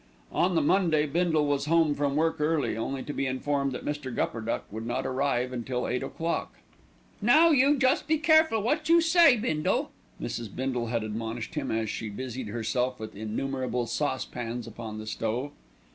On the Monday Bindle was home from work early, only to be informed that Mr. Gupperduck would not arrive until eight o'clock. "Now you just be careful what you say, Bindle," Mrs. Bindle had admonished him as she busied herself with innumerable saucepans upon the stove.